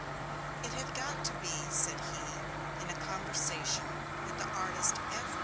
"It had got to be," said he, in a conversation with the artist F.